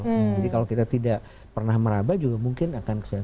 jadi kalau kita tidak pernah meraba juga mungkin akan kesulitan